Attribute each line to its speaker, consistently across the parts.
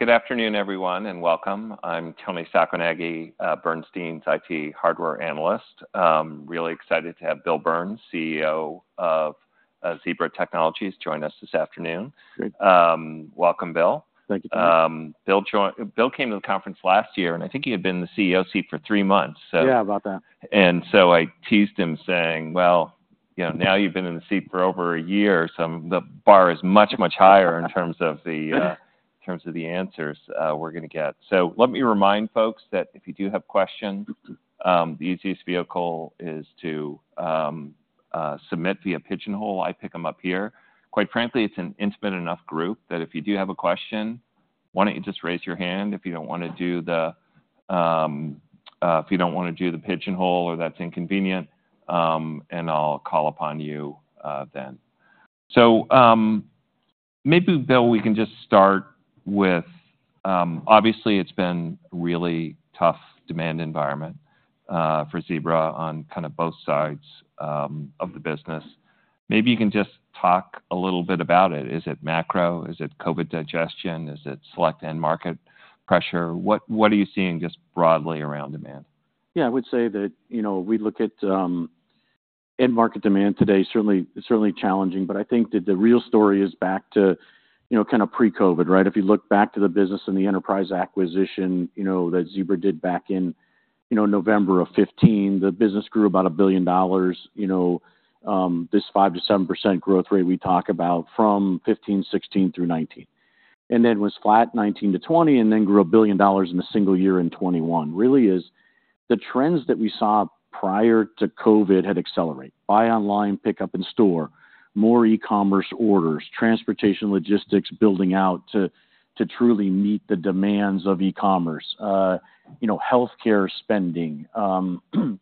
Speaker 1: Good afternoon, everyone, and welcome. I'm Toni Sacconaghi, Bernstein's IT hardware analyst. Really excited to have Bill Burns, CEO of Zebra Technologies, join us this afternoon.
Speaker 2: Great.
Speaker 1: Welcome, Bill.
Speaker 2: Thank you, Toni.
Speaker 1: Bill came to the conference last year, and I think he had been in the CEO seat for three months, so.
Speaker 2: Yeah, about that.
Speaker 1: And so I teased him, saying, "Well, you know, now you've been in the seat for over a year, so the bar is much, much higher, in terms of the answers, we're gonna get." So let me remind folks that if you do have questions, the easiest vehicle is to submit via Pigeonhole. I pick them up here. Quite frankly, it's an intimate enough group that if you do have a question, why don't you just raise your hand if you don't wanna do the Pigeonhole or that's inconvenient, and I'll call upon you, then. So, maybe, Bill, we can just start with, obviously, it's been really tough demand environment for Zebra on kind of both sides of the business. Maybe you can just talk a little bit about it. Is it macro? Is it COVID digestion? Is it select end-market pressure? What, what are you seeing just broadly around demand?
Speaker 2: Yeah, I would say that, you know, we look at end-market demand today, certainly, it's certainly challenging, but I think that the real story is back to, you know, kind of pre-COVID, right? If you look back to the business and the enterprise acquisition, you know, that Zebra did back in, you know, November of 2015, the business grew about $1 billion. You know, this 5%-7% growth rate we talk about from 2015-2016 through 2019, and then was flat 2019-2020, and then grew $1 billion in a single year in 2021, really is the trends that we saw prior to COVID had accelerated. Buy online, pickup in store, more e-commerce orders, transportation, logistics, building out to truly meet the demands of e-commerce. You know, healthcare spending,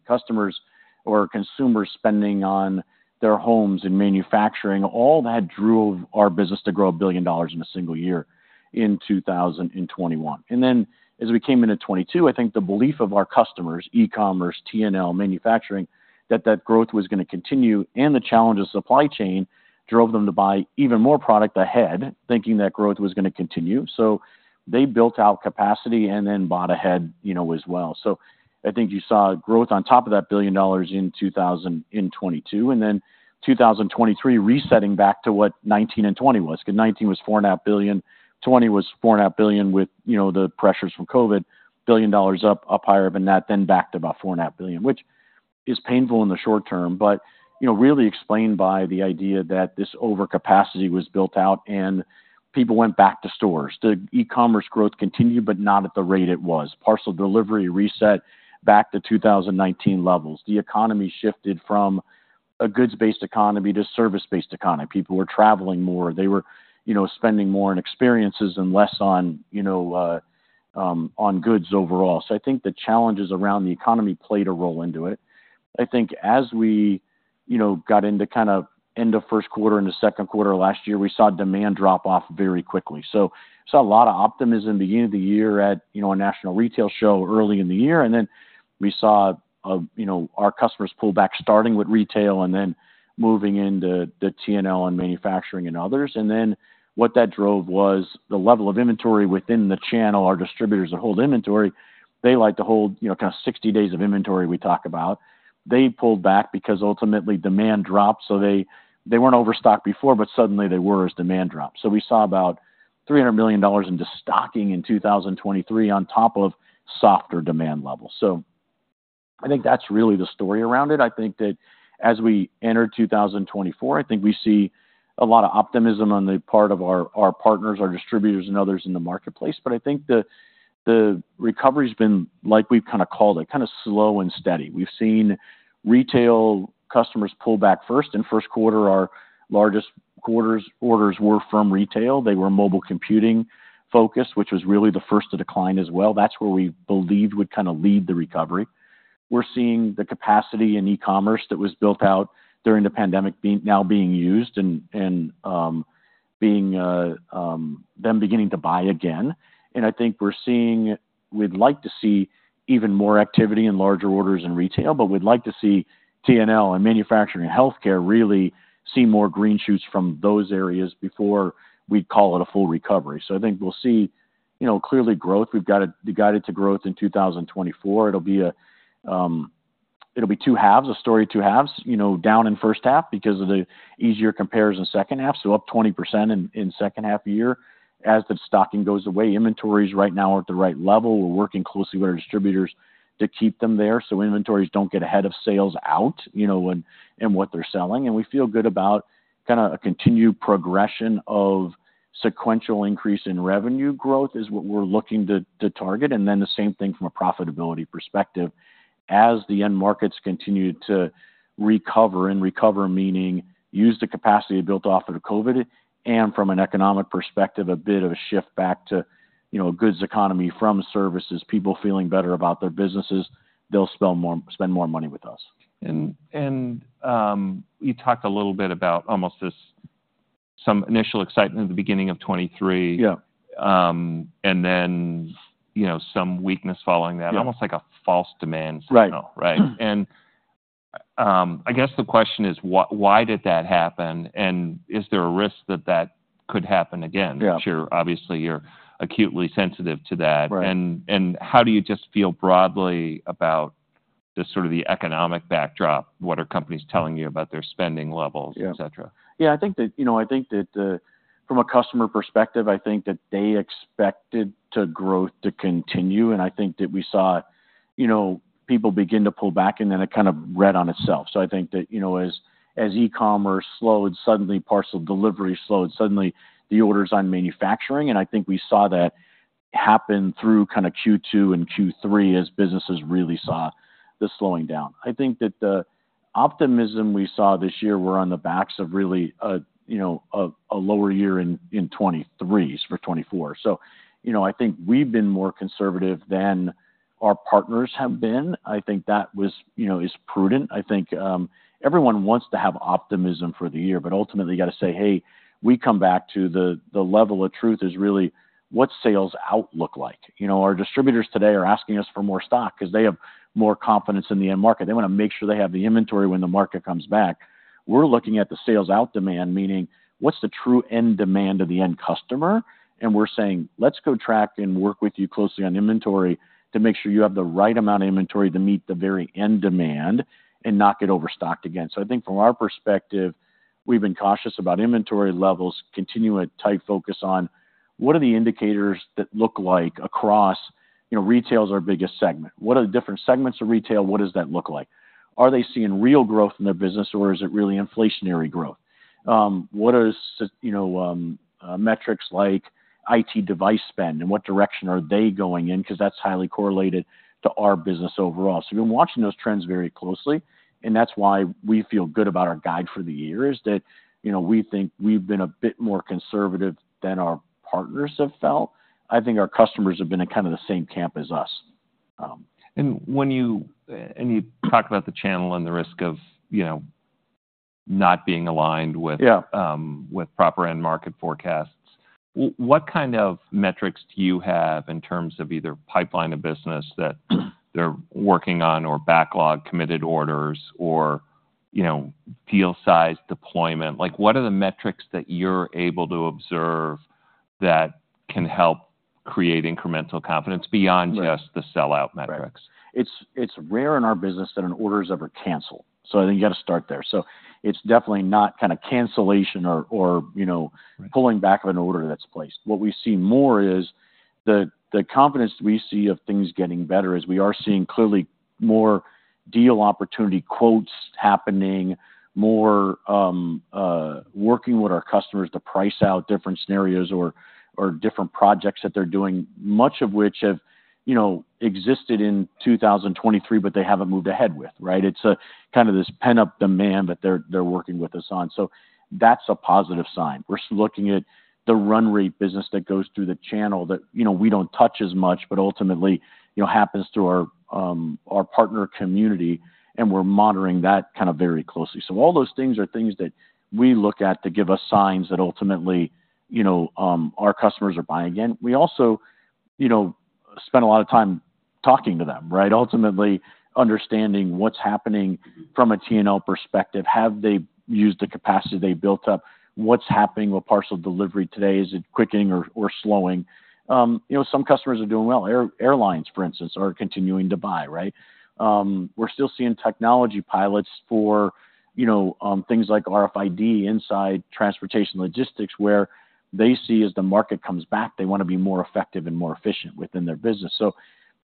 Speaker 2: customers or consumer spending on their homes and manufacturing, all that drove our business to grow $1 billion in a single year in 2021. And then as we came into 2022, I think the belief of our customers, e-commerce, T&L, manufacturing, that that growth was gonna continue, and the challenge of supply chain drove them to buy even more product ahead, thinking that growth was gonna continue. So they built out capacity and then bought ahead, you know, as well. So I think you saw growth on top of that $1 billion in 2022, and then 2023 resetting back to what 2019 and 2020 was. Because 2019 was $4.5 billion, 2020 was $4.5 billion with, you know, the pressures from COVID, $1 billion up, up higher than that, then back to about $4.5 billion, which is painful in the short term, but, you know, really explained by the idea that this overcapacity was built out and people went back to stores. The e-commerce growth continued, but not at the rate it was. Parcel delivery reset back to 2019 levels. The economy shifted from a goods-based economy to service-based economy. People were traveling more. They were, you know, spending more on experiences and less on, you know, on goods overall. So I think the challenges around the economy played a role into it. I think as we, you know, got into kind of end of first quarter and the second quarter of last year, we saw demand drop off very quickly. So saw a lot of optimism beginning of the year at, you know, a national retail show early in the year, and then we saw, you know, our customers pull back, starting with retail and then moving into the T&L and manufacturing and others. And then what that drove was the level of inventory within the channel. Our distributors that hold inventory, they like to hold, you know, kind of 60 days of inventory we talk about. They pulled back because ultimately demand dropped. So they, they weren't overstocked before, but suddenly they were as demand dropped. So we saw about $300 million in just destocking in 2023 on top of softer demand levels. So I think that's really the story around it. I think that as we enter 2024, I think we see a lot of optimism on the part of our, our partners, our distributors, and others in the marketplace. But I think the, the recovery's been, like we've kind of called it, kind of slow and steady. We've seen retail customers pull back first. In first quarter, our largest quarters orders were from retail. They were mobile computing focused, which was really the first to decline as well. That's where we believed would kind of lead the recovery. We're seeing the capacity in e-commerce that was built out during the pandemic being, now being used and, and, being, them beginning to buy again. And I think we're seeing... We'd like to see even more activity and larger orders in retail, but we'd like to see T&L and manufacturing and healthcare really see more green shoots from those areas before we'd call it a full recovery. So I think we'll see, you know, clearly growth. We've got it guided to growth in 2024. It'll be a, it'll be two halves, a story of two halves, you know, down in first half because of the easier compares in the second half. So up 20% in second half of the year as the stocking goes away. Inventories right now are at the right level. We're working closely with our distributors to keep them there, so inventories don't get ahead of sales out, you know, when in what they're selling. And we feel good about kind of a continued progression of sequential increase in revenue growth, is what we're looking to, to target. And then the same thing from a profitability perspective. As the end markets continue to recover, and recover meaning use the capacity built off of the COVID, and from an economic perspective, a bit of a shift back to, you know, a goods economy from services, people feeling better about their businesses, they'll spend more money with us.
Speaker 1: You talked a little bit about almost this, some initial excitement at the beginning of 2023.
Speaker 2: Yeah.
Speaker 1: And then, you know, some weakness following that.
Speaker 2: Yeah.
Speaker 1: Almost like a false demand signal.
Speaker 2: Right.
Speaker 1: Right. I guess the question is: why did that happen? And is there a risk that that could happen again?
Speaker 2: Yeah.
Speaker 1: Obviously, you're acutely sensitive to that.
Speaker 2: Right.
Speaker 1: And how do you just feel broadly about the sort of the economic backdrop? What are companies telling you about their spending levels-
Speaker 2: Yeah...
Speaker 1: et cetera?
Speaker 2: Yeah, I think that, you know, I think that, from a customer perspective, I think that they expected the growth to continue, and I think that we saw, you know, people begin to pull back, and then it kind of read on itself. So I think that, you know, as e-commerce slowed, suddenly parcel delivery slowed, suddenly the orders on manufacturing, and I think we saw that happen through kinda Q2 and Q3 as businesses really saw the slowing down. I think that the optimism we saw this year were on the backs of really, you know, a lower year in 2023 for 2024. So, you know, I think we've been more conservative than our partners have been. I think that was, you know, is prudent. I think, everyone wants to have optimism for the year, but ultimately, you gotta say, "Hey, we come back to the level of truth, is really what's sales out look like?" You know, our distributors today are asking us for more stock 'cause they have more confidence in the end market. They wanna make sure they have the inventory when the market comes back. We're looking at the sales out demand, meaning: What's the true end demand of the end customer? And we're saying, "Let's go track and work with you closely on inventory to make sure you have the right amount of inventory to meet the very end demand and not get overstocked again." So I think from our perspective, we've been cautious about inventory levels, continue a tight focus on what are the indicators that look like across... You know, retail is our biggest segment. What are the different segments of retail? What does that look like? Are they seeing real growth in their business, or is it really inflationary growth? What is, you know, metrics like IT device spend, and what direction are they going in? 'Cause that's highly correlated to our business overall. So we've been watching those trends very closely, and that's why we feel good about our guide for the year, is that, you know, we think we've been a bit more conservative than our partners have felt. I think our customers have been in kinda the same camp as us.
Speaker 1: And when you, and you talk about the channel and the risk of, you know, not being aligned with-
Speaker 2: Yeah...
Speaker 1: with proper end market forecasts, what kind of metrics do you have in terms of either pipeline of business that they're working on or backlog committed orders or, you know, deal size deployment? Like, what are the metrics that you're able to observe that can help create incremental confidence beyond-
Speaker 2: Right...
Speaker 1: just the sell-out metrics?
Speaker 2: Right. It's rare in our business that an order is ever canceled, so I think you gotta start there. So it's definitely not kinda cancellation or, you know-
Speaker 1: Right...
Speaker 2: pulling back of an order that's placed. What we see more is, the confidence we see of things getting better is we are seeing clearly more deal opportunity quotes happening, more, working with our customers to price out different scenarios or, or different projects that they're doing, much of which have, you know, existed in 2023, but they haven't moved ahead with, right? It's kind of this pent-up demand that they're, they're working with us on, so that's a positive sign. We're looking at the run rate business that goes through the channel that, you know, we don't touch as much, but ultimately, you know, happens through our, our partner community, and we're monitoring that kind of very closely. So all those things are things that we look at to give us signs that ultimately, you know, our customers are buying in. We also, you know, spend a lot of time talking to them, right? Ultimately, understanding what's happening from a T&L perspective. Have they used the capacity they built up? What's happening with parcel delivery today? Is it quickening or slowing? You know, some customers are doing well. Airlines, for instance, are continuing to buy, right? We're still seeing technology pilots for, you know, things like RFID inside transportation logistics, where they see, as the market comes back, they wanna be more effective and more efficient within their business. So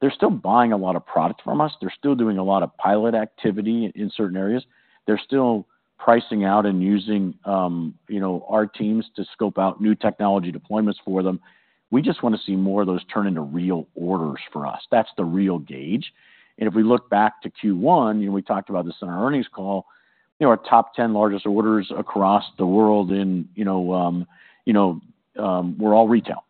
Speaker 2: they're still buying a lot of product from us. They're still doing a lot of pilot activity in certain areas. They're still pricing out and using, you know, our teams to scope out new technology deployments for them. We just wanna see more of those turn into real orders for us. That's the real gauge. If we look back to Q1, and we talked about this in our earnings call, you know, our top 10 largest orders across the world in, you know, you know, were all retail.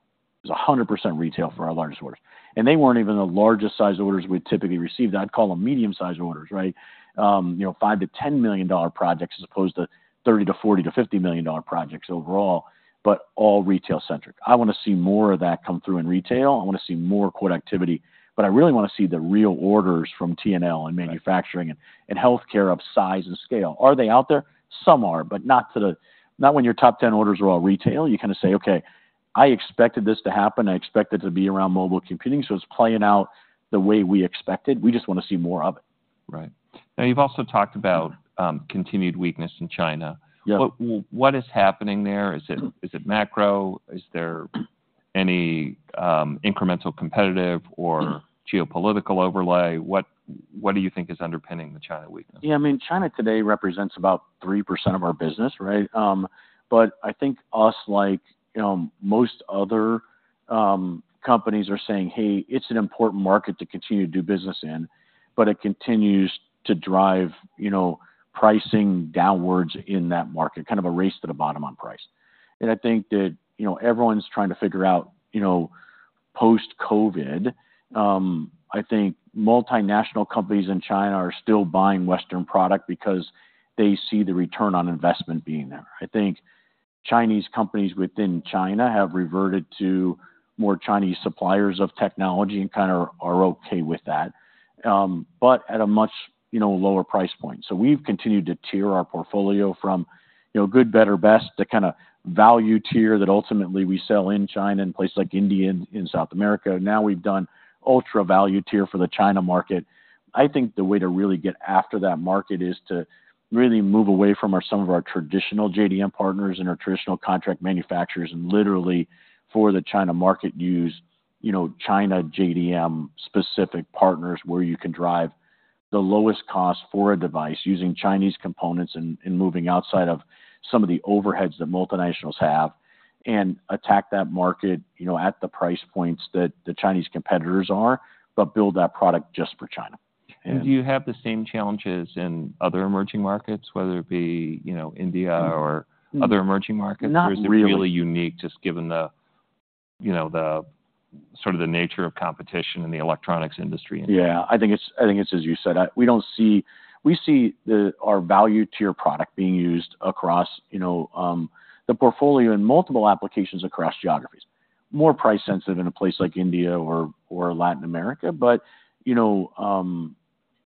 Speaker 2: It was 100% retail for our largest orders. And they weren't even the largest size orders we'd typically receive. I'd call them medium-sized orders, right? You know, $5 million-$10 million projects, as opposed to $30 million to $40 million to $50 million projects overall, but all retail-centric. I wanna see more of that come through in retail. I wanna see more quote activity, but I really wanna see the real orders from T&L and manufacturing-
Speaker 1: Right...
Speaker 2: and healthcare of size and scale. Are they out there? Some are, but not to the... Not when your top ten orders are all retail. You kinda say, "Okay, I expected this to happen. I expect it to be around mobile computing," so it's playing out the way we expected. We just wanna see more of it.
Speaker 1: Right. Now, you've also talked about continued weakness in China.
Speaker 2: Yeah.
Speaker 1: What is happening there? Is it, is it macro? Is there any, incremental, competitive, or geopolitical overlay? What, what do you think is underpinning the China weakness?
Speaker 2: Yeah, I mean, China today represents about 3% of our business, right? But I think us, like, most other companies, are saying, "Hey, it's an important market to continue to do business in," but it continues to drive, you know, pricing downwards in that market, kind of a race to the bottom on price. And I think that, you know, everyone's trying to figure out, you know, post-COVID. I think multinational companies in China are still buying Western product because they see the return on investment being there. I think Chinese companies within China have reverted to more Chinese suppliers of technology and kind of are okay with that, but at a much, you know, lower price point. So we've continued to tier our portfolio from, you know, good, better, best to kind of value tier that ultimately we sell in China, in places like India and in South America. Now we've done ultra value tier for the China market. I think the way to really get after that market is to really move away from some of our traditional JDM partners and our traditional contract manufacturers, and literally, for the China market, use, you know, China JDM-specific partners, where you can drive the lowest cost for a device using Chinese components and moving outside of some of the overheads that multinationals have, and attack that market, you know, at the price points that the Chinese competitors are, but build that product just for China.
Speaker 1: Do you have the same challenges in other emerging markets, whether it be, you know, India or other emerging markets?
Speaker 2: Not really.
Speaker 1: Or is it really unique, just given the, you know, the sort of the nature of competition in the electronics industry?
Speaker 2: Yeah, I think it's, as you said, we see our value tier product being used across, you know, the portfolio in multiple applications across geographies. More price sensitive in a place like India or Latin America. But, you know,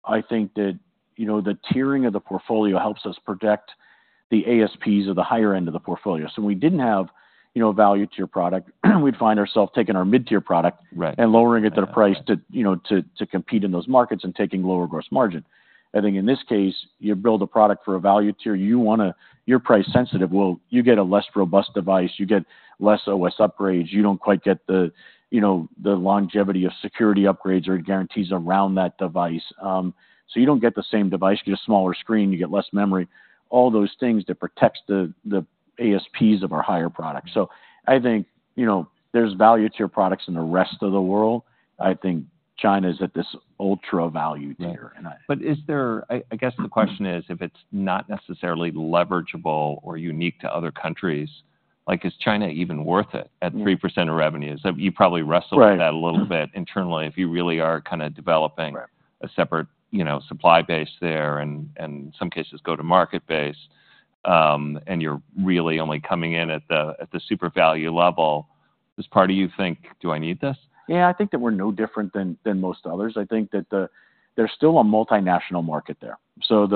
Speaker 2: I think that, you know, the tiering of the portfolio helps us protect the ASPs of the higher end of the portfolio. So we didn't have, you know, value tier product, we'd find ourselves taking our mid-tier product-
Speaker 1: Right
Speaker 2: and lowering it to the price to, you know, to compete in those markets and taking lower gross margin. I think in this case, you build a product for a value tier, you wanna... You're price sensitive. Well, you get a less robust device, you get less OS upgrades, you don't quite get the, you know, the longevity of security upgrades or guarantees around that device. So you don't get the same device. You get a smaller screen, you get less memory, all those things that protects the ASPs of our higher products. So I think, you know, there's value to your products in the rest of the world. I think China's at this ultra value tier.
Speaker 1: Right. But is there—I, I guess the question is: if it's not necessarily leverageable or unique to other countries, like, is China even worth it at 3% of revenues? You probably wrestled-
Speaker 2: Right
Speaker 1: With that a little bit internally, if you really are kinda developing-
Speaker 2: Right
Speaker 1: ...a separate, you know, supply base there and in some cases go-to-market base, and you're really only coming in at the super value level. Does part of you think, "Do I need this?
Speaker 2: Yeah, I think that we're no different than most others. I think that... There's still a multinational market there. So,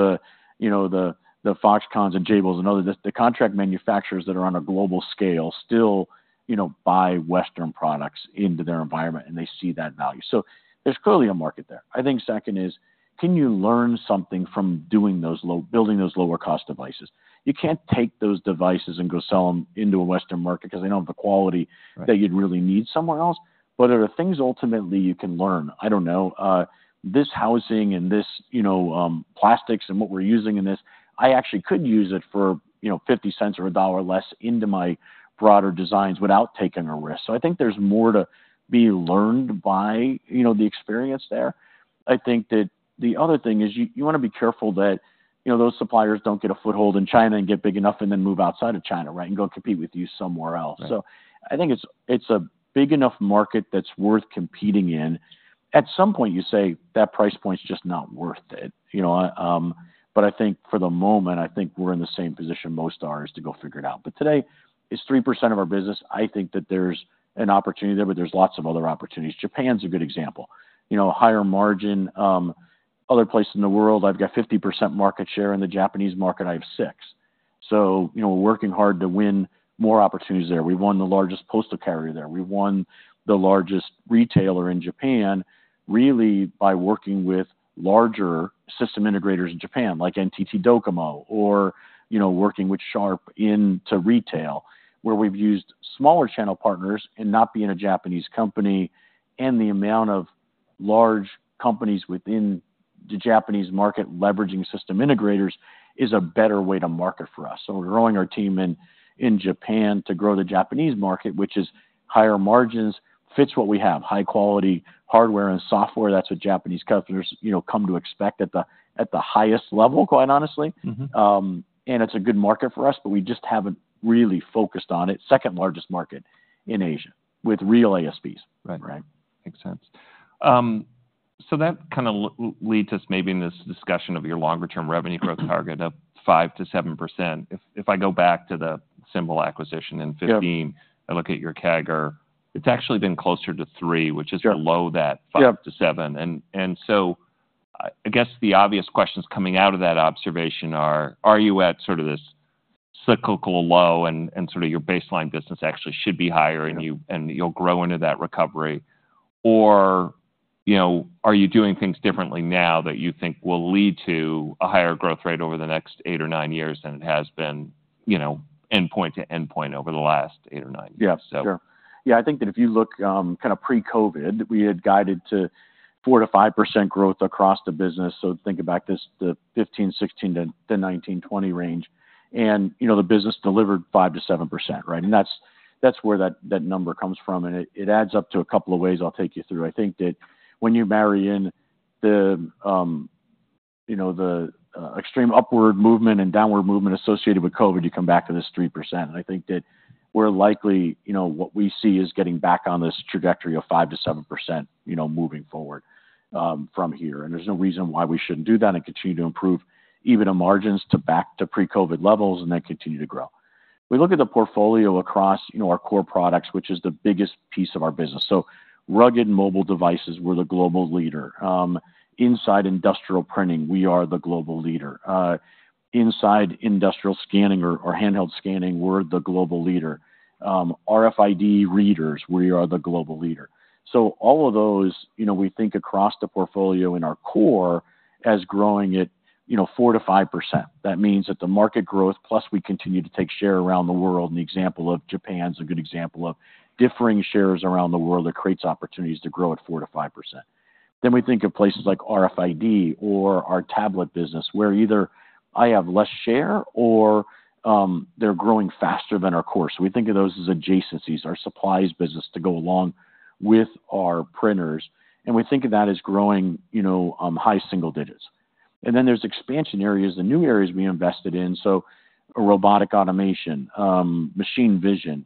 Speaker 2: you know, the Foxconns and Jabils and others, the contract manufacturers that are on a global scale still, you know, buy Western products into their environment, and they see that value. So there's clearly a market there. I think second is, can you learn something from building those lower-cost devices? You can't take those devices and go sell them into a Western market 'cause they don't have the quality-
Speaker 1: Right.
Speaker 2: ...that you'd really need somewhere else. But there are things ultimately you can learn. I don't know, this housing and this, you know, plastics and what we're using in this, I actually could use it for, you know, $0.50 or $1 less into my broader designs without taking a risk. So I think there's more to be learned by, you know, the experience there. I think that the other thing is, you, you wanna be careful that, you know, those suppliers don't get a foothold in China and get big enough, and then move outside of China, right? And go compete with you somewhere else.
Speaker 1: Right.
Speaker 2: So I think it's a big enough market that's worth competing in. At some point, you say, "That price point is just not worth it," you know? But I think for the moment, I think we're in the same position most are, is to go figure it out. But today, it's 3% of our business. I think that there's an opportunity there, but there's lots of other opportunities. Japan's a good example. You know, a higher margin, other places in the world, I've got 50% market share. In the Japanese market, I have 6%. So you know, we're working hard to win more opportunities there. We won the largest postal carrier there. We won the largest retailer in Japan, really, by working with larger system integrators in Japan, like NTT DOCOMO, or, you know, working with Sharp into retail, where we've used smaller channel partners and not being a Japanese company, and the amount of large companies within the Japanese market leveraging system integrators, is a better way to market for us. So we're growing our team in, in Japan to grow the Japanese market, which is higher margins, fits what we have, high quality hardware and software. That's what Japanese customers, you know, come to expect at the, at the highest level, quite honestly.
Speaker 1: Mm-hmm.
Speaker 2: It's a good market for us, but we just haven't really focused on it. Second largest market in Asia with real ASPs.
Speaker 1: Right.
Speaker 2: Right?
Speaker 1: Makes sense. So that kind of leads us maybe in this discussion of your longer-term revenue growth target of 5%-7%. If I go back to the Symbol acquisition in 2015-
Speaker 2: Yep...
Speaker 1: I look at your CAGR, it's actually been closer to three-
Speaker 2: Yep
Speaker 1: ...which is below that 5%-7%.
Speaker 2: Yep.
Speaker 1: So I guess the obvious questions coming out of that observation are: Are you at sort of this cyclical low and sort of your baseline business actually should be higher, and you-
Speaker 2: Yep
Speaker 1: You'll grow into that recovery? Or, you know, are you doing things differently now that you think will lead to a higher growth rate over the next eight or nine years than it has been, you know, endpoint to endpoint over the last eight or nine years?
Speaker 2: Yeah, sure.
Speaker 1: So.
Speaker 2: Yeah, I think that if you look, kind of pre-COVID, we had guided to 4%-5% growth across the business. So think about this, the 2015-2016 to the 2019-2020 range, and, you know, the business delivered 5%-7%, right? And that's, that's where that, that number comes from, and it, it adds up to a couple of ways I'll take you through. I think that when you marry in the, you know, the extreme upward movement and downward movement associated with COVID, you come back to this 3%. And I think that we're likely... You know, what we see is getting back on this trajectory of 5%-7%, you know, moving forward, from here. There's no reason why we shouldn't do that and continue to improve even our margins to back to pre-COVID levels and then continue to grow. We look at the portfolio across, you know, our core products, which is the biggest piece of our business. So rugged mobile devices, we're the global leader. Inside industrial printing, we are the global leader. Inside industrial scanning or handheld scanning, we're the global leader. RFID readers, we are the global leader. So all of those, you know, we think across the portfolio in our core as growing at, you know, 4%-5%. That means that the market growth, plus we continue to take share around the world, and the example of Japan is a good example of differing shares around the world that creates opportunities to grow at 4%-5%. Then we think of places like RFID or our tablet business, where either I have less share or they're growing faster than our core. So we think of those as adjacencies, our supplies business to go along with our printers, and we think of that as growing, you know, high single digits. And then there's expansion areas and new areas we invested in, so robotic automation, machine vision,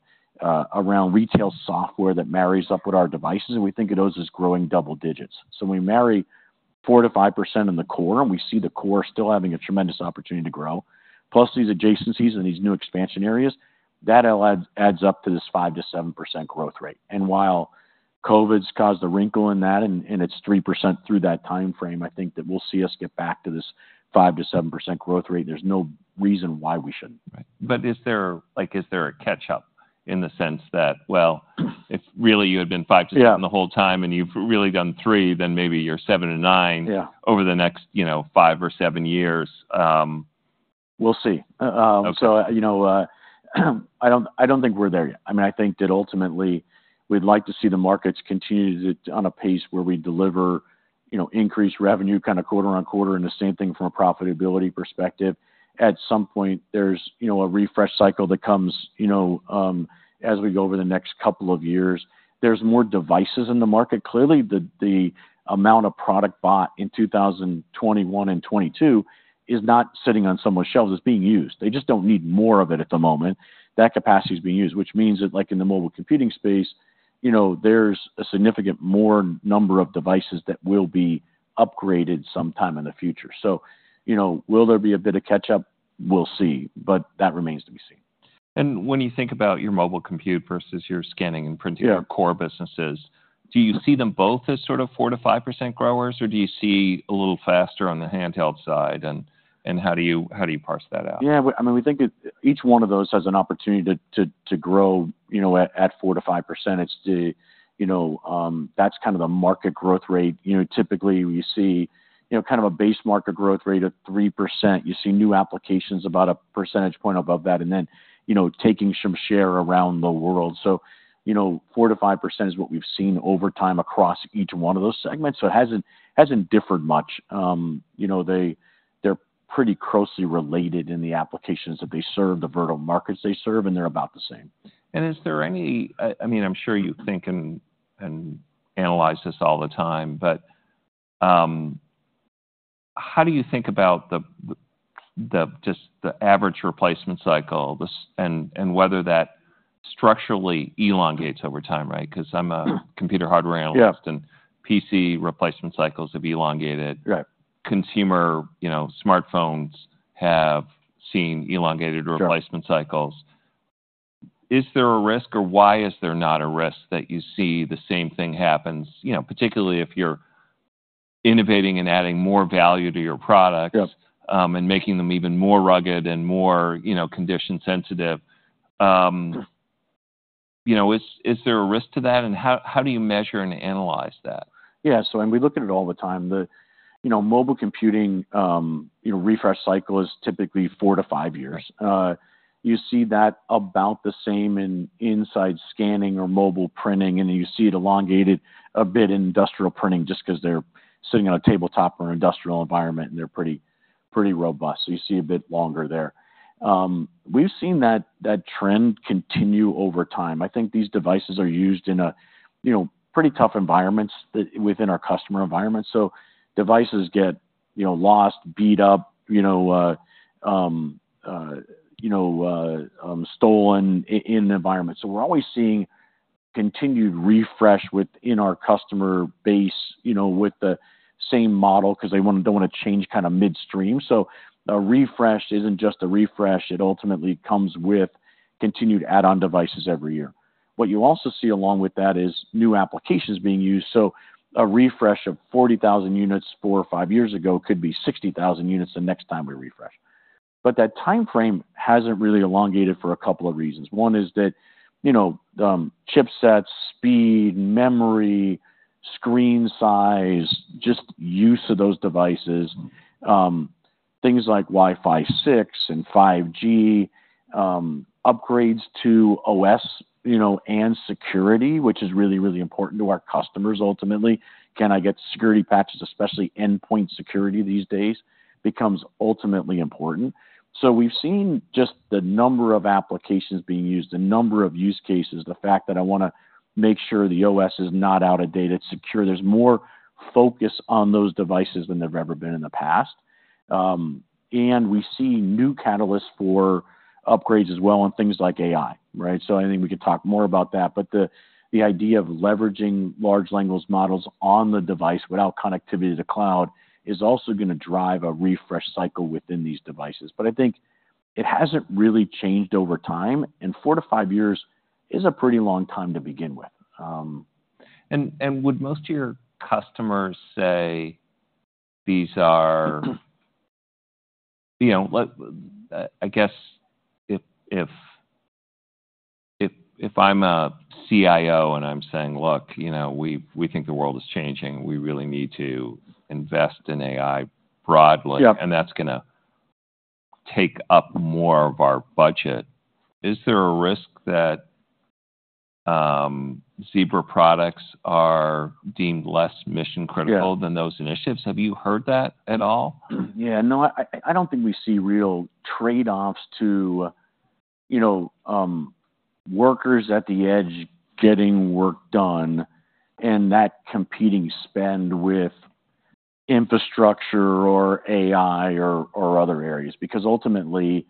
Speaker 2: around retail software that marries up with our devices, and we think of those as growing double digits. So we marry 4%-5% in the core, and we see the core still having a tremendous opportunity to grow. Plus these adjacencies and these new expansion areas, that adds up to this 5%-7% growth rate. And while COVID's caused a wrinkle in that, and it's 3% through that time frame, I think that we'll see us get back to this 5%-7% growth rate. There's no reason why we shouldn't.
Speaker 1: Right. But is there, like, is there a catch-up in the sense that, well, if really you had been 5%-7%-
Speaker 2: Yeah
Speaker 1: ...the whole time, and you've really done three, then maybe you're 7%-9%
Speaker 2: Yeah
Speaker 1: -over the next, you know, five or seven years...
Speaker 2: We'll see.
Speaker 1: Okay.
Speaker 2: So, you know, I don't, I don't think we're there yet. I mean, I think that ultimately we'd like to see the markets continue to on a pace where we deliver, you know, increased revenue kind of quarter on quarter, and the same thing from a profitability perspective. At some point, there's, you know, a refresh cycle that comes, you know, as we go over the next couple of years. There's more devices in the market. Clearly, the amount of product bought in 2021 and 2022 is not sitting on someone's shelves, it's being used. They just don't need more of it at the moment. That capacity is being used, which means that, like in the mobile computing space, you know, there's a significant more number of devices that will be upgraded sometime in the future. So, you know, will there be a bit of catch-up? We'll see, but that remains to be seen.
Speaker 1: When you think about your mobile computing versus your scanning and printing-
Speaker 2: Yeah
Speaker 1: ...your core businesses, do you see them both as sort of 4%-5% growers, or do you see a little faster on the handheld side? And, and how do you, how do you parse that out?
Speaker 2: Yeah, I mean, we think that each one of those has an opportunity to grow, you know, at 4%-5%. It's the, you know, that's kind of the market growth rate. You know, typically we see, you know, kind of a base market growth rate of 3%. You see new applications about a percentage point above that, and then, you know, taking some share around the world. So, you know, 4%-5% is what we've seen over time across each one of those segments, so it hasn't differed much. You know, they're pretty closely related in the applications that they serve, the vertical markets they serve, and they're about the same.
Speaker 1: Is there any... I mean, I'm sure you think and analyze this all the time, but how do you think about just the average replacement cycle and whether that structurally elongates over time, right? Because I'm a-
Speaker 2: Hmm
Speaker 1: -Computer Hardware Analyst-
Speaker 2: Yeah
Speaker 1: PC replacement cycles have elongated.
Speaker 2: Right.
Speaker 1: Consumer, you know, smartphones have seen elongated-
Speaker 2: Sure
Speaker 1: -replacement cycles. Is there a risk, or why is there not a risk that you see the same thing happens, you know, particularly if you're innovating and adding more value to your products-
Speaker 2: Yep
Speaker 1: -and making them even more rugged and more, you know, condition sensitive,
Speaker 2: Sure
Speaker 1: You know, is there a risk to that? And how do you measure and analyze that?
Speaker 2: Yeah, so we look at it all the time. The, you know, mobile computing, you know, refresh cycle is typically four to five years. You see that about the same in inside scanning or mobile printing, and you see it elongated a bit in industrial printing, just because they're sitting on a tabletop or an industrial environment, and they're pretty, pretty robust. So you see a bit longer there. We've seen that, that trend continue over time. I think these devices are used in a, you know, pretty tough environments within our customer environment. So devices get, you know, lost, beat up, you know, you know, stolen in the environment. So we're always seeing continued refresh within our customer base, you know, with the same model, 'cause they don't wanna change kind of midstream. So a refresh isn't just a refresh, it ultimately comes with continued add-on devices every year. What you also see along with that is new applications being used. So a refresh of 40,000 units four or five years ago could be 60,000 units the next time we refresh. But that time frame hasn't really elongated for a couple of reasons. One is that, you know, chipsets, speed, memory, screen size, just use of those devices, things like Wi-Fi 6 and 5G, upgrades to OS, you know, and security, which is really, really important to our customers ultimately. Can I get security patches? Especially endpoint security these days, becomes ultimately important. So we've seen just the number of applications being used, the number of use cases, the fact that I wanna make sure the OS is not out of date, it's secure. There's more focus on those devices than they've ever been in the past. And we see new catalysts for upgrades as well on things like AI, right? So I think we could talk more about that, but the, the idea of leveraging large language models on the device without connectivity to the cloud is also gonna drive a refresh cycle within these devices. But I think it hasn't really changed over time, and four to five years is a pretty long time to begin with.
Speaker 1: And would most of your customers say these are, you know, like, I guess if I'm a CIO and I'm saying: "Look, you know, we think the world is changing, we really need to invest in AI broadly-
Speaker 2: Yeah.
Speaker 1: -and that's gonna take up more of our budget," is there a risk that Zebra products are deemed less mission-critical?
Speaker 2: Yeah
Speaker 1: —than those initiatives? Have you heard that at all?
Speaker 2: Yeah. No, I don't think we see real trade-offs to, you know, workers at the edge getting work done and that competing spend with infrastructure or AI or other areas. Because ultimately,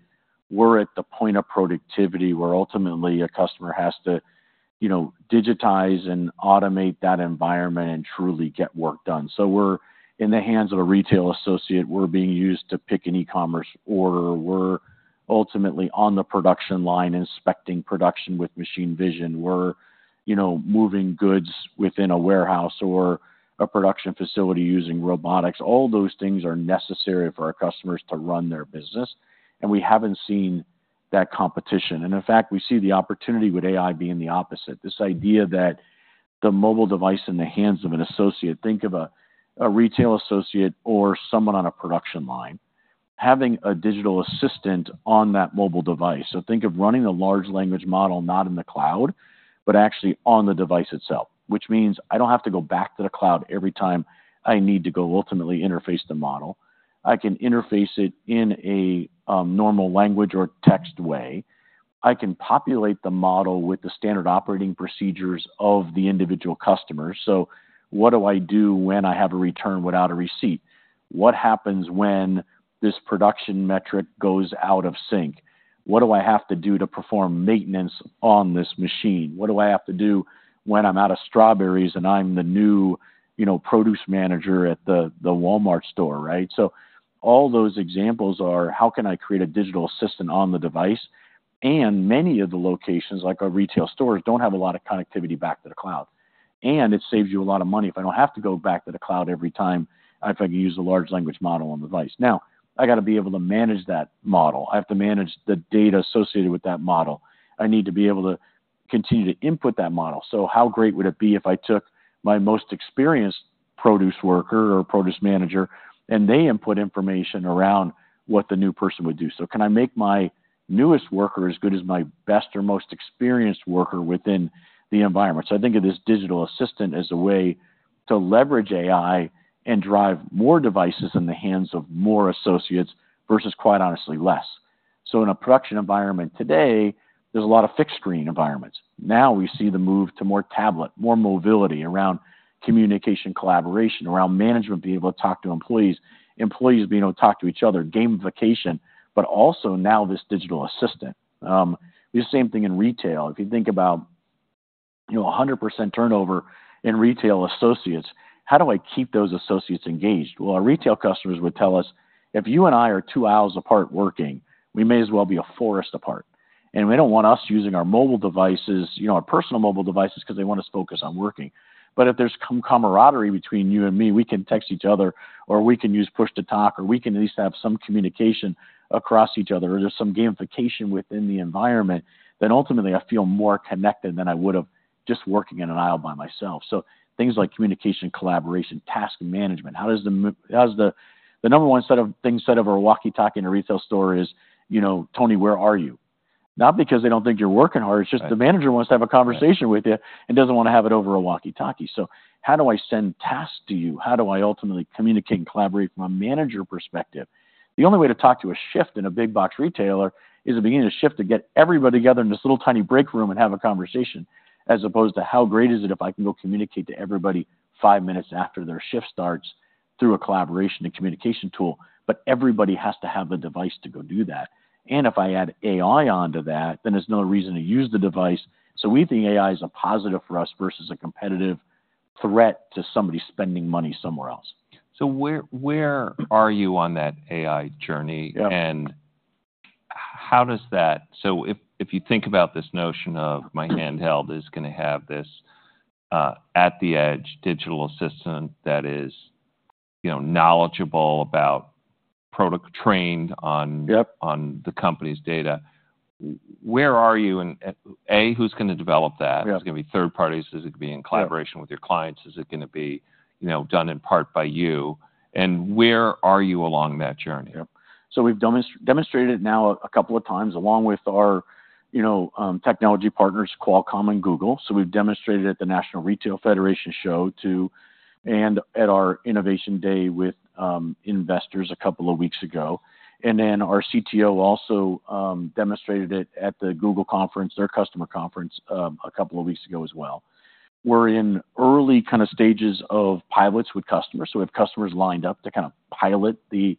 Speaker 2: we're at the point of productivity, where ultimately a customer has to, you know, digitize and automate that environment and truly get work done. So we're in the hands of a retail associate, we're being used to pick an e-commerce order, we're ultimately on the production line, inspecting production with machine vision. We're, you know, moving goods within a warehouse or a production facility using robotics. All those things are necessary for our customers to run their business, and we haven't seen that competition. And in fact, we see the opportunity with AI being the opposite. This idea that the mobile device in the hands of an associate, think of a retail associate or someone on a production line, having a digital assistant on that mobile device. So think of running a large language model, not in the cloud, but actually on the device itself, which means I don't have to go back to the cloud every time I need to go ultimately interface the model. I can interface it in a normal language or text way. I can populate the model with the standard operating procedures of the individual customer. So what do I do when I have a return without a receipt? What happens when this production metric goes out of sync? What do I have to do to perform maintenance on this machine? What do I have to do when I'm out of strawberries and I'm the new, you know, produce manager at the Walmart store, right? So all those examples are, how can I create a digital assistant on the device? And many of the locations, like our retail stores, don't have a lot of connectivity back to the cloud. And it saves you a lot of money if I don't have to go back to the cloud every time, if I can use a large language model on the device. Now, I gotta be able to manage that model. I have to manage the data associated with that model. I need to be able to continue to input that model. So how great would it be if I took my most experienced produce worker or produce manager, and they input information around what the new person would do? So can I make my newest worker as good as my best or most experienced worker within the environment? So I think of this digital assistant as a way to leverage AI and drive more devices in the hands of more associates, versus, quite honestly, less. So in a production environment today, there's a lot of fixed-screen environments. Now we see the move to more tablet, more mobility around communication, collaboration, around management, being able to talk to employees, employees being able to talk to each other, gamification, but also now this digital assistant. The same thing in retail. If you think about, you know, 100% turnover in retail associates, how do I keep those associates engaged? Well, our retail customers would tell us, "If you and I are two aisles apart working, we may as well be a forest apart. And we don't want us using our mobile devices, you know, our personal mobile devices, 'cause they want us to focus on working. But if there's camaraderie between you and me, we can text each other, or we can use push-to-talk, or we can at least have some communication across each other, or just some gamification within the environment, then ultimately, I feel more connected than I would've just working in an aisle by myself. So things like communication, collaboration, task management. How does the... The number one set of things said over a walkie-talkie in a retail store is, you know, "Toni, where are you?" Not because they don't think you're working hard-
Speaker 1: Right...
Speaker 2: it's just the manager wants to have a conversation with you and doesn't wanna have it over a walkie-talkie. So how do I send tasks to you? How do I ultimately communicate and collaborate from a manager perspective? The only way to talk to a shift in a big box retailer is at the beginning of the shift, to get everybody together in this little tiny break room and have a conversation, as opposed to, how great is it if I can go communicate to everybody five minutes after their shift starts through a collaboration and communication tool? But everybody has to have the device to go do that. And if I add AI onto that, then there's no reason to use the device. So we think AI is a positive for us versus a competitive threat to somebody spending money somewhere else.
Speaker 1: Where, where are you on that AI journey?
Speaker 2: Yeah.
Speaker 1: How does that... So if you think about this notion of my handheld is gonna have this, at-the-edge digital assistant that is, you know, knowledgeable about product, trained on-
Speaker 2: Yep...
Speaker 1: on the company's data, where are you? And, and A, who's gonna develop that?
Speaker 2: Yeah.
Speaker 1: Is it gonna be third parties? Is it gonna be in collaboration-
Speaker 2: Yeah...
Speaker 1: with your clients? Is it gonna be, you know, done in part by you? And where are you along that journey?
Speaker 2: Yep. So we've demonstrated it now a couple of times, along with our, you know, technology partners, Qualcomm and Google. So we've demonstrated at the National Retail Federation show, too, and at our Innovation Day with, investors a couple of weeks ago. And then our CTO also, demonstrated it at the Google conference, their customer conference, a couple of weeks ago as well. We're in early kind of stages of pilots with customers, so we have customers lined up to kind of pilot the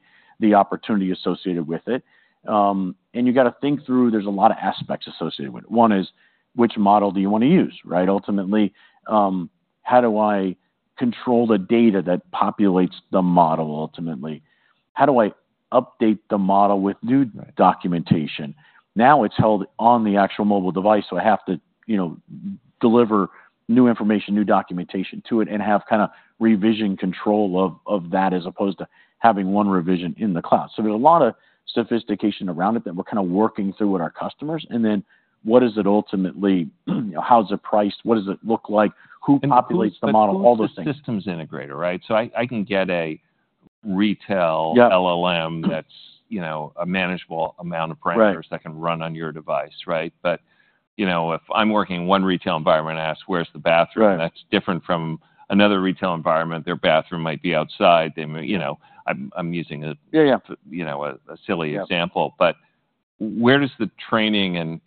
Speaker 2: opportunity associated with it. And you've got to think through, there's a lot of aspects associated with it. One is, which model do you want to use, right? Ultimately, how do I control the data that populates the model, ultimately? How do I update the model with new documentation? Now it's held on the actual mobile device, so I have to, you know, deliver new information, new documentation to it, and have kind of revision control of, of that, as opposed to having one revision in the cloud. So there's a lot of sophistication around it that we're kind of working through with our customers. And then what is it ultimately, how's it priced? What does it look like? Who populates the model? All those things.
Speaker 1: But who's the systems integrator, right? So I, I can get a retail-
Speaker 2: Yeah
Speaker 1: LLM that's, you know, a manageable amount of parameters-
Speaker 2: Right
Speaker 1: -that can run on your device, right? But, you know, if I'm working in one retail environment and ask, "Where's the bathroom?
Speaker 2: Right.
Speaker 1: That's different from another retail environment. Their bathroom might be outside. They may, you know, I'm using a-
Speaker 2: Yeah, yeah...
Speaker 1: you know, a silly example.
Speaker 2: Yeah.
Speaker 1: But where does the training and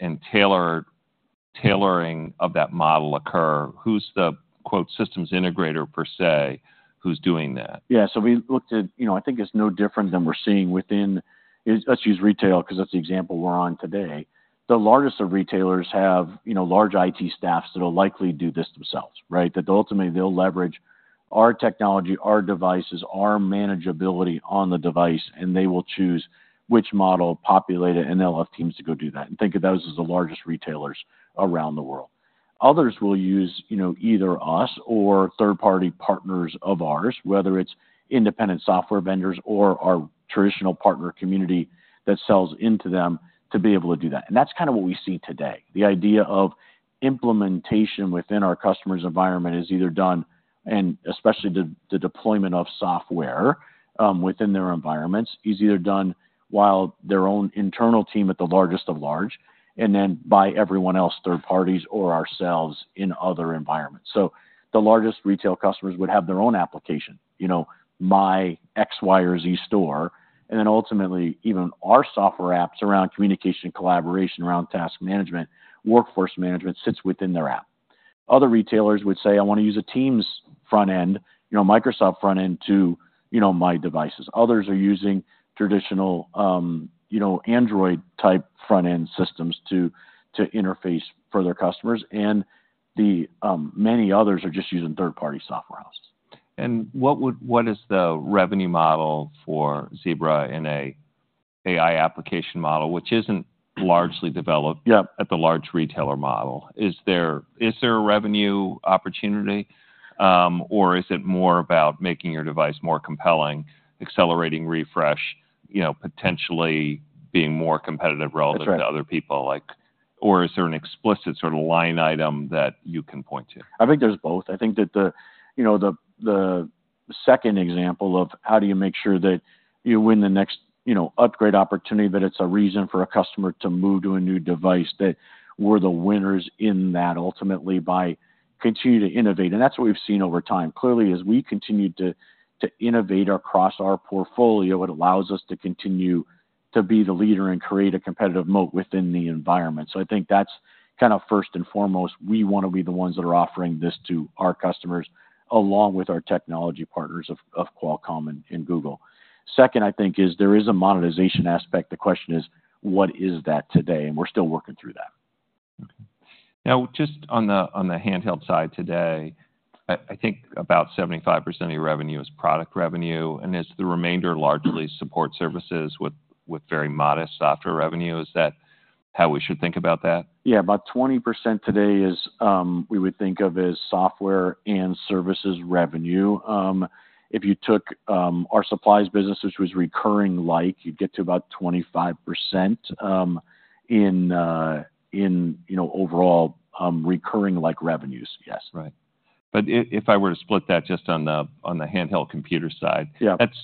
Speaker 1: tailoring of that model occur? Who's the, quote, "systems integrator" per se, who's doing that?
Speaker 2: Yeah, so we looked at... You know, I think it's no different than we're seeing within, let's use retail, 'cause that's the example we're on today. The largest of retailers have, you know, large IT staffs that'll likely do this themselves, right? That ultimately they'll leverage our technology, our devices, our manageability on the device, and they will choose which model, populate it, and they'll have teams to go do that, and think of those as the largest retailers around the world. Others will use, you know, either us or third-party partners of ours, whether it's independent software vendors or our traditional partner community that sells into them to be able to do that, and that's kind of what we see today. The idea of implementation within our customer's environment is either done, and especially the deployment of software within their environments, is either done while their own internal team at the largest of large, and then by everyone else, third parties or ourselves in other environments. So the largest retail customers would have their own application, you know, my X, Y, or Z store, and then ultimately, even our software apps around communication and collaboration, around task management, workforce management sits within their app. Other retailers would say, "I want to use a Teams front end, you know, Microsoft front end to, you know, my devices." Others are using traditional, you know, Android-type front-end systems to interface for their customers, and the many others are just using third-party software houses.
Speaker 1: What is the revenue model for Zebra in an AI application model, which isn't largely developed-
Speaker 2: Yeah
Speaker 1: ...at the large retailer model? Is there, is there a revenue opportunity, or is it more about making your device more compelling, accelerating refresh, you know, potentially being more competitive relative-
Speaker 2: That's right
Speaker 1: -to other people? Like... Or is there an explicit sort of line item that you can point to?
Speaker 2: I think there's both. I think that the, you know, the second example of how do you make sure that you win the next, you know, upgrade opportunity, that it's a reason for a customer to move to a new device, that we're the winners in that ultimately by continuing to innovate, and that's what we've seen over time. Clearly, as we continue to, to innovate across our portfolio, it allows us to continue to be the leader and create a competitive moat within the environment. So I think that's kind of first and foremost, we want to be the ones that are offering this to our customers, along with our technology partners of, of Qualcomm and, and Google. Second, I think, is there is a monetization aspect. The question is, what is that today? And we're still working through that.
Speaker 1: Okay. Now, just on the handheld side today, I think about 75% of your revenue is product revenue, and is the remainder largely support services with very modest software revenue? Is that how we should think about that?
Speaker 2: Yeah, about 20% today is, we would think of as software and services revenue. If you took our supplies business, which was recurring like, you'd get to about 25% in, you know, overall recurring-like revenues. Yes.
Speaker 1: Right. But if I were to split that just on the, on the handheld computer side.
Speaker 2: Yeah...
Speaker 1: that's,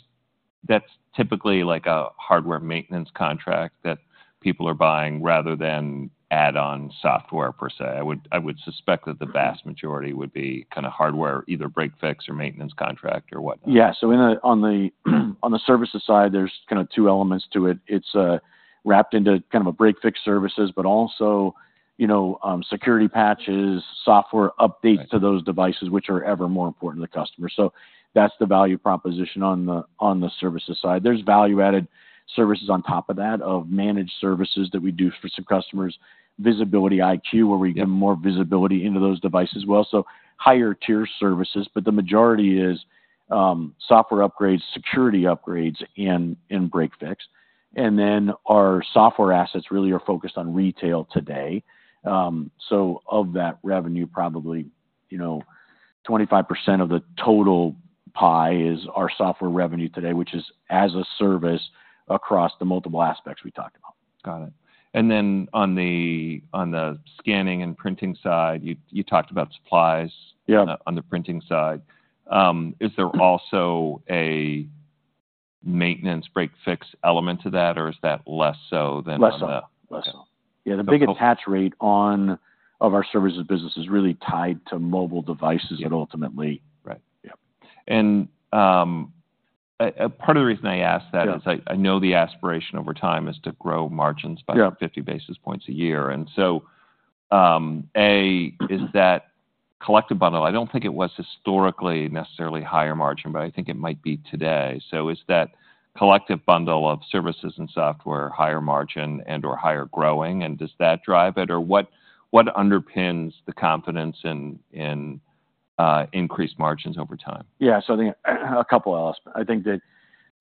Speaker 1: that's typically like a hardware maintenance contract that people are buying rather than add-on software per se. I would, I would suspect that the vast majority would be kind of hardware, either break-fix, or maintenance contract or whatnot.
Speaker 2: Yeah. So on the services side, there's kind of two elements to it. It's wrapped into kind of a break-fix services, but also, you know, security patches, software updates-
Speaker 1: Right
Speaker 2: -to those devices, which are ever more important to the customer. So that's the value proposition on the services side. There's value-added services on top of that, of managed services that we do for some customers, VisibilityIQ, where we give more visibility into those devices as well, so higher-tier services. But the majority is software upgrades, security upgrades, and break-fix. And then our software assets really are focused on retail today. So of that revenue, probably, you know, 25% of the total pie is our software revenue today, which is as a service across the multiple aspects we talked about.
Speaker 1: Got it. And then on the scanning and printing side, you talked about supplies-
Speaker 2: Yeah...
Speaker 1: on the printing side. Is there also a maintenance break-fix element to that, or is that less so than on the-
Speaker 2: Less so. Less so.
Speaker 1: Okay.
Speaker 2: Yeah, the big attach rate of our services business is really tied to mobile devices.
Speaker 1: Yeah
Speaker 2: -and ultimately...
Speaker 1: Right.
Speaker 2: Yeah.
Speaker 1: Part of the reason I ask that-
Speaker 2: Yeah
Speaker 1: I know the aspiration over time is to grow margins by
Speaker 2: Yeah
Speaker 1: 50 basis points a year. And so, is that collective bundle? I don't think it was historically necessarily higher margin, but I think it might be today. So is that collective bundle of services and software higher margin and/or higher growing, and does that drive it? Or, what underpins the confidence in increasing margins over time?
Speaker 2: Yeah, so I think a couple aspects. I think that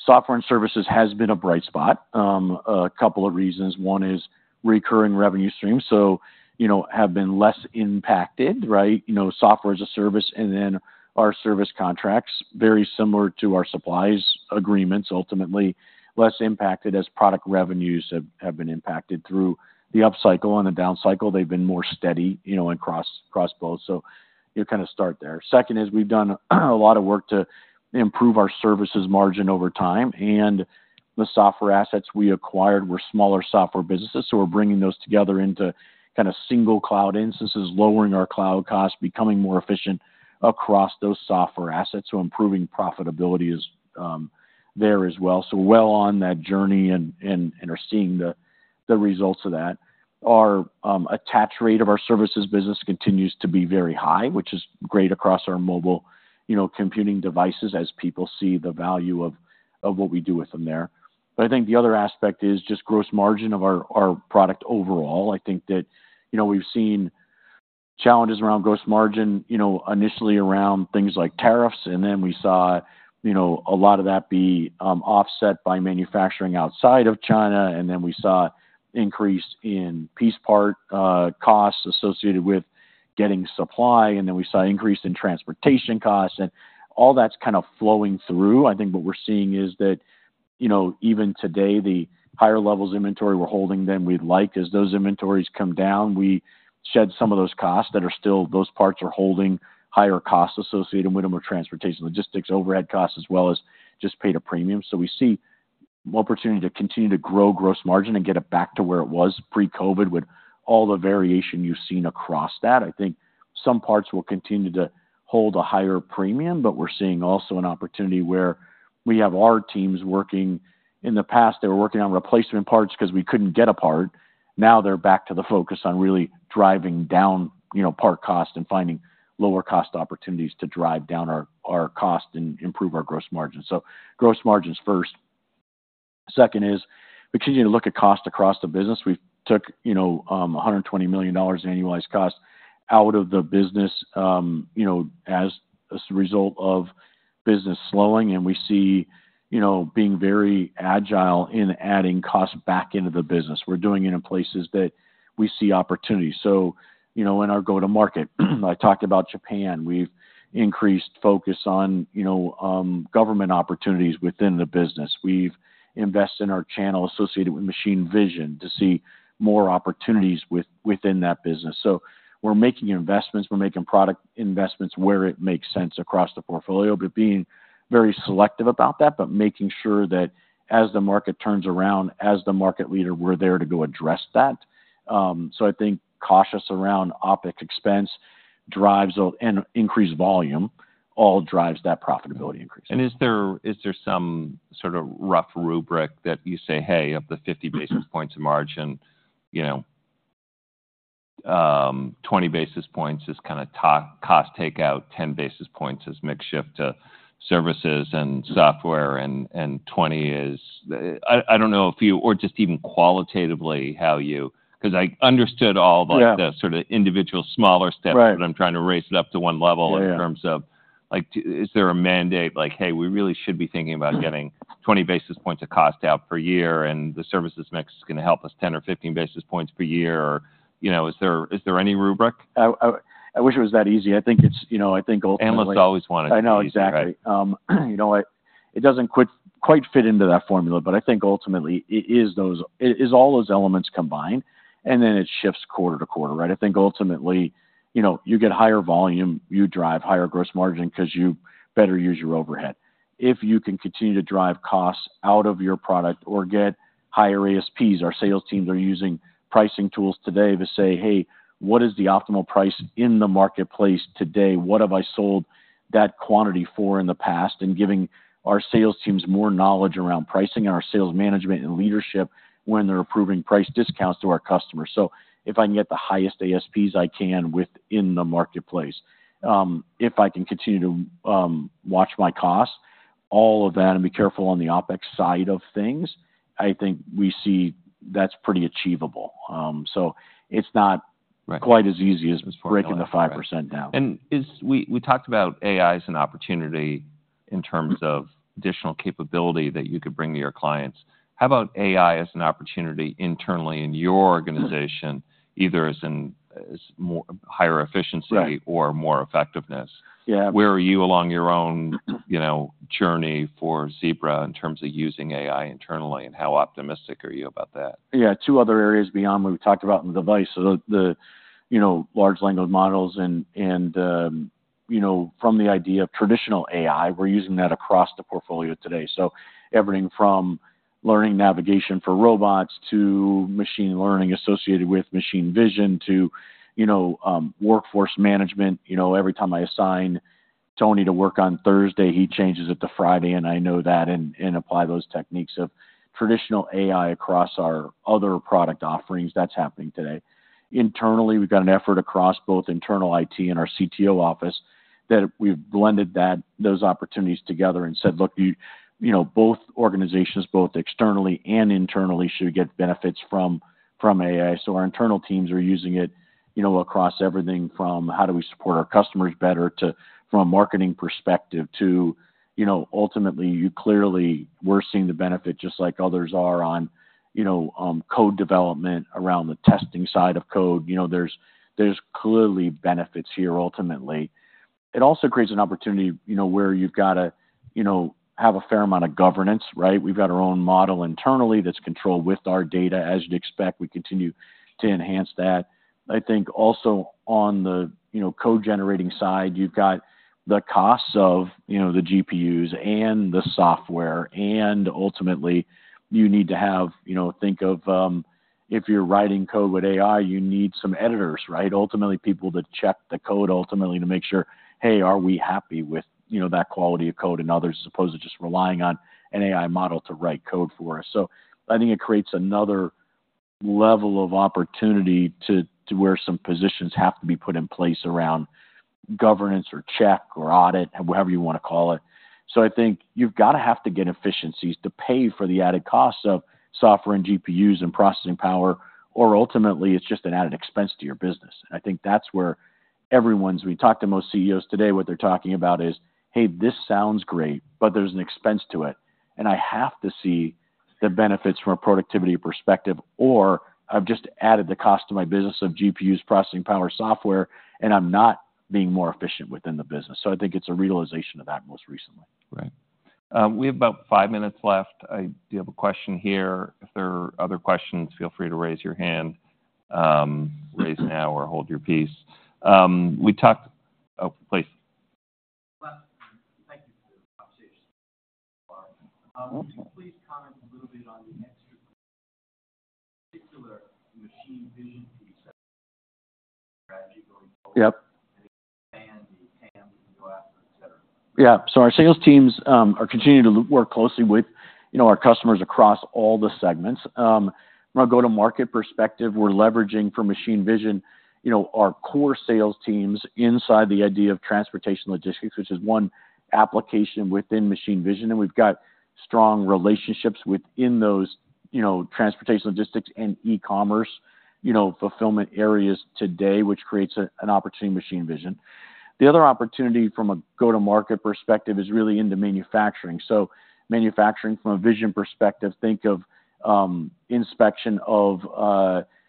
Speaker 2: software and services has been a bright spot. A couple of reasons. One is recurring revenue streams, so, you know, have been less impacted, right? You know, software as a service, and then our service contracts, very similar to our supplies agreements, ultimately less impacted as product revenues have, have been impacted through the upcycle and the down cycle. They've been more steady, you know, across, across both. So you kind of start there. Second is we've done a lot of work to improve our services margin over time, and the software assets we acquired were smaller software businesses, so we're bringing those together into kind of single cloud instances, lowering our cloud costs, becoming more efficient across those software assets. So improving profitability is there as well. So we're well on that journey and are seeing the results of that. Our attach rate of our services business continues to be very high, which is great across our mobile, you know, computing devices as people see the value of what we do with them there. But I think the other aspect is just gross margin of our product overall. I think that, you know, we've seen challenges around gross margin, you know, initially around things like tariffs, and then we saw, you know, a lot of that be offset by manufacturing outside of China, and then we saw increase in piece part costs associated with getting supply, and then we saw increase in transportation costs. And all that's kind of flowing through. I think what we're seeing is that, you know, even today, the higher levels of inventory we're holding than we'd like, as those inventories come down, we shed some of those costs that are still... Those parts are holding higher costs associated with them or transportation, logistics, overhead costs, as well as just paid a premium. So we see opportunity to continue to grow gross margin and get it back to where it was pre-COVID, with all the variation you've seen across that. I think some parts will continue to hold a higher premium, but we're seeing also an opportunity where we have our teams working. In the past, they were working on replacement parts 'cause we couldn't get a part. Now they're back to the focus on really driving down, you know, part cost and finding lower cost opportunities to drive down our cost and improve our gross margin. So gross margin's first. Second is continuing to look at cost across the business. We've took, you know, $120 million annualized cost out of the business, you know, as a result of business slowing, and we see, you know, being very agile in adding costs back into the business. We're doing it in places that we see opportunity. So, you know, in our go-to-market, I talked about Japan. We've increased focus on, you know, government opportunities within the business. We've invested in our channel associated with machine vision to see more opportunities within that business. So we're making investments, we're making product investments where it makes sense across the portfolio, but being very selective about that, but making sure that as the market turns around, as the market leader, we're there to go address that. So I think cautious around OpEx expense drives and increased volume, all drives that profitability increase.
Speaker 1: Is there some sort of rough rubric that you say, "Hey, of the 50 basis points of margin, you know, 20 basis points is kind of to cost takeout, 10 basis points is mix shift to services and software, and 20 is..." I don't know if you or just even qualitatively, how you... 'Cause I understood all, like-
Speaker 2: Yeah
Speaker 1: -the sort of individual, smaller steps.
Speaker 2: Right.
Speaker 1: But I'm trying to raise it up to one level-
Speaker 2: Yeah, yeah
Speaker 1: In terms of, like, is there a mandate like, "Hey, we really should be thinking about getting 20 basis points of cost out per year, and the services mix is gonna help us 10 basis points or 15 basis points per year?" Or, you know, is there, is there any rubric?
Speaker 2: I wish it was that easy. I think it's, you know, I think ultimately-
Speaker 1: Analysts always want it to be easy, right?
Speaker 2: I know, exactly. You know what? It doesn't quite fit into that formula, but I think ultimately it is those... It is all those elements combined, and then it shifts quarter to quarter, right? I think ultimately, you know, you get higher volume, you drive higher gross margin 'cause you better use your overhead. If you can continue to drive costs out of your product or get higher ASPs, our sales teams are using pricing tools today to say, "Hey, what is the optimal price in the marketplace today? What have I sold that quantity for in the past?" And giving our sales teams more knowledge around pricing and our sales management and leadership when they're approving price discounts to our customers. So if I can get the highest ASPs I can within the marketplace, if I can continue to watch my costs, all of that, and be careful on the OpEx side of things, I think we see that's pretty achievable. So it's not-
Speaker 1: Right
Speaker 2: -quite as easy as breaking the 5% down.
Speaker 1: We talked about AI as an opportunity in terms of additional capability that you could bring to your clients. How about AI as an opportunity internally in your organization, either as in more higher efficiency-
Speaker 2: Right
Speaker 1: -or more effectiveness?
Speaker 2: Yeah.
Speaker 1: Where are you along your own, you know, journey for Zebra in terms of using AI internally, and how optimistic are you about that?
Speaker 2: Yeah, two other areas beyond what we talked about in the device. So the, you know, large language models and, and, you know, from the idea of traditional AI, we're using that across the portfolio today. So everything from learning navigation for robots, to machine learning associated with machine vision, to, you know, workforce management. You know, every time I assign Tony to work on Thursday, he changes it to Friday, and I know that, and apply those techniques of traditional AI across our other product offerings. That's happening today. Internally, we've got an effort across both internal IT and our CTO office, that we've blended those opportunities together and said, "Look, you know, both organizations, both externally and internally, should get benefits from... from AI. So our internal teams are using it, you know, across everything from how do we support our customers better to from a marketing perspective to, you know, ultimately, you clearly we're seeing the benefit, just like others are on, you know, code development, around the testing side of code. You know, there's, there's clearly benefits here ultimately. It also creates an opportunity, you know, where you've got to, you know, have a fair amount of governance, right? We've got our own model internally that's controlled with our data. As you'd expect, we continue to enhance that. I think also on the, you know, code generating side, you've got the costs of, you know, the GPUs and the software, and ultimately, you need to have... You know, think of, if you're writing code with AI, you need some editors, right? Ultimately, people to check the code, ultimately, to make sure, hey, are we happy with, you know, that quality of code and others, as opposed to just relying on an AI model to write code for us. So I think it creates another level of opportunity to, to where some positions have to be put in place around governance or check or audit, whatever you want to call it. So I think you've got to have to get efficiencies to pay for the added costs of software and GPUs and processing power, or ultimately, it's just an added expense to your business. We talked to most CEOs today. What they're talking about is, "Hey, this sounds great, but there's an expense to it, and I have to see the benefits from a productivity perspective, or I've just added the cost to my business of GPUs, processing power, software, and I'm not being more efficient within the business." So I think it's a realization of that most recently.
Speaker 1: Right. We have about five minutes left. I do have a question here. If there are other questions, feel free to raise your hand, raise now or hold your piece. We talked... Oh, please.
Speaker 3: Thank you for the conversation. Would you please comment a little bit on the particular machine vision piece?
Speaker 2: Yep.
Speaker 3: And the TAM you can go after, et cetera.
Speaker 2: Yeah. So our sales teams are continuing to work closely with, you know, our customers across all the segments. From a go-to-market perspective, we're leveraging for machine vision, you know, our core sales teams inside the idea of transportation logistics, which is one application within machine vision, and we've got strong relationships within those, you know, transportation, logistics, and e-commerce, you know, fulfillment areas today, which creates a, an opportunity in machine vision. The other opportunity from a go-to-market perspective is really into manufacturing. So manufacturing from a vision perspective, think of inspection of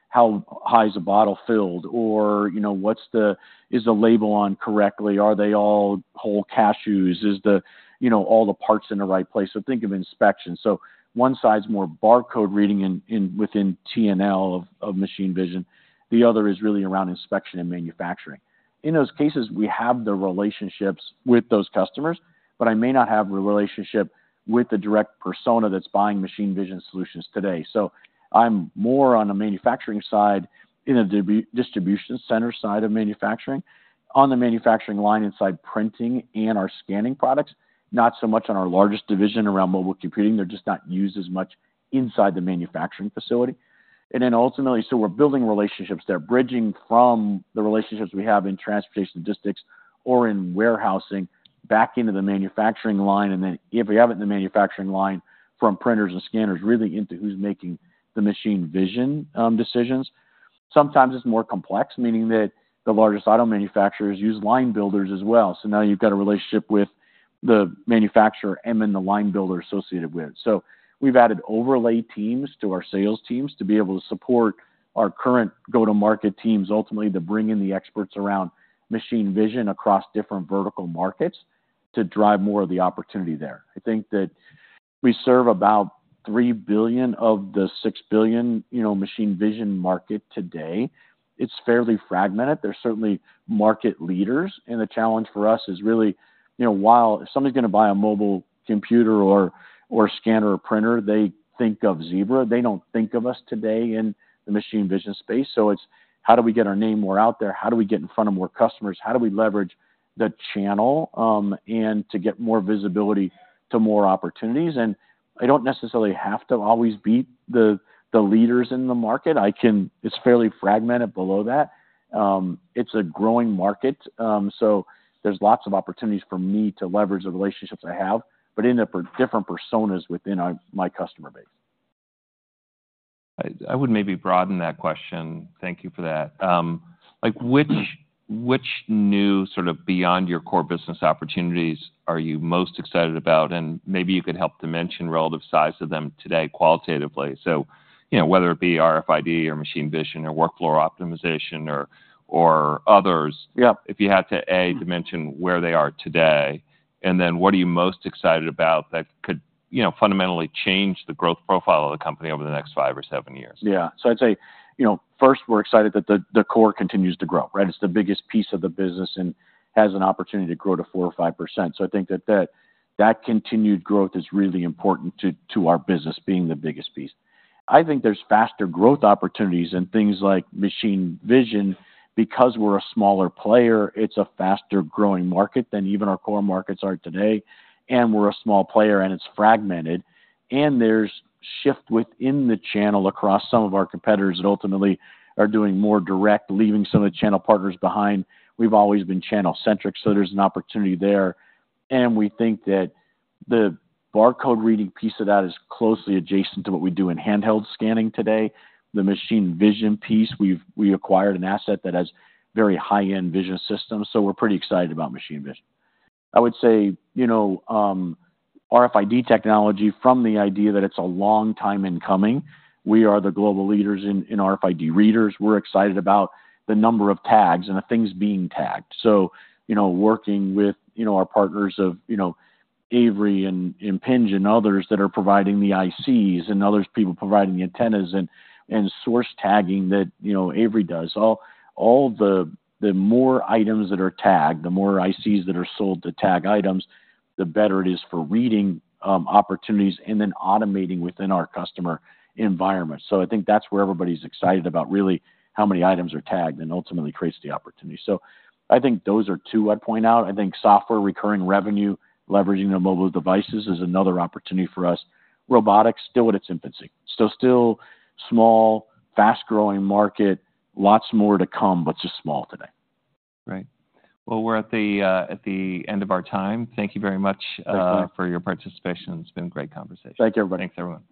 Speaker 2: how high is a bottle filled or, you know, what's the-- is the label on correctly? Are they all whole cashews? Is the, you know, all the parts in the right place? So think of inspection. So one side is more barcode reading in within T&L of machine vision. The other is really around inspection and manufacturing. In those cases, we have the relationships with those customers, but I may not have a relationship with the direct persona that's buying machine vision solutions today. So I'm more on the manufacturing side, in a distribution center side of manufacturing, on the manufacturing line inside printing and our scanning products, not so much on our largest division around mobile computing. They're just not used as much inside the manufacturing facility. And then ultimately, so we're building relationships. They're bridging from the relationships we have in transportation and logistics or in warehousing back into the manufacturing line, and then if we have it in the manufacturing line, from printers and scanners, really into who's making the machine vision decisions. Sometimes it's more complex, meaning that the largest auto manufacturers use line builders as well. So now you've got a relationship with the manufacturer and then the line builder associated with. So we've added overlay teams to our sales teams to be able to support our current go-to-market teams, ultimately, to bring in the experts around machine vision across different vertical markets to drive more of the opportunity there. I think that we serve about $3 billion of the $6 billion, you know, machine vision market today. It's fairly fragmented. There's certainly market leaders, and the challenge for us is really, you know, while if somebody's gonna buy a mobile computer or, or scanner or printer, they think of Zebra. They don't think of us today in the machine vision space. So it's how do we get our name more out there? How do we get in front of more customers? How do we leverage the channel, and to get more visibility to more opportunities? I don't necessarily have to always beat the leaders in the market. I can—It's fairly fragmented below that. It's a growing market, so there's lots of opportunities for me to leverage the relationships I have, but end up with different personas within our, my customer base.
Speaker 1: I would maybe broaden that question. Thank you for that. Like, which new sort of beyond your core business opportunities are you most excited about? And maybe you could help dimension relative size of them today, qualitatively. So, you know, whether it be RFID or machine vision or workflow optimization or others-
Speaker 2: Yeah.
Speaker 1: If you had to dimension where they are today, and then what are you most excited about that could, you know, fundamentally change the growth profile of the company over the next five or seven years?
Speaker 2: Yeah. So I'd say, you know, first, we're excited that the core continues to grow, right? It's the biggest piece of the business and has an opportunity to grow to 4% or 5%. So I think that continued growth is really important to our business being the biggest piece. I think there's faster growth opportunities in things like machine vision. Because we're a smaller player, it's a faster-growing market than even our core markets are today, and we're a small player, and it's fragmented, and there's shift within the channel across some of our competitors that ultimately are doing more direct, leaving some of the channel partners behind. We've always been channel-centric, so there's an opportunity there. And we think that the barcode reading piece of that is closely adjacent to what we do in handheld scanning today. The machine vision piece, we've acquired an asset that has very high-end vision systems, so we're pretty excited about machine vision. I would say, you know, RFID technology, from the idea that it's a long time in coming, we are the global leaders in RFID readers. We're excited about the number of tags and the things being tagged. So, you know, working with, you know, our partners of, you know, Avery and Impinj and others that are providing the ICs and other people providing the antennas and source tagging that, you know, Avery does. All the more items that are tagged, the more ICs that are sold to tag items, the better it is for reading opportunities and then automating within our customer environment. So I think that's where everybody's excited about, really, how many items are tagged and ultimately creates the opportunity. So I think those are two I'd point out. I think software recurring revenue, leveraging the mobile devices, is another opportunity for us. Robotics, still at its infancy. So still small, fast-growing market. Lots more to come, but just small today.
Speaker 1: Great. Well, we're at the end of our time. Thank you very much-
Speaker 2: Thank you.
Speaker 1: -for your participation. It's been a great conversation.
Speaker 2: Thank you, everybody.
Speaker 1: Thanks, everyone.